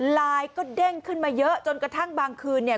ไลน์ก็เด้งขึ้นมาเยอะจนกระทั่งบางคืนเนี่ย